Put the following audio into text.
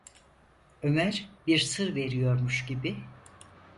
Ömer bir sır veriyormuş gibi: